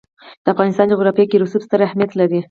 د افغانستان جغرافیه کې رسوب ستر اهمیت لري.